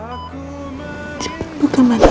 aku yakin kau tahu